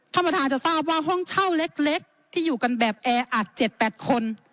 ธรรมฐานจะทราบว่าห้องเช่าเล็กที่อยู่กันแบบแอร์เอาอัด๗๘คน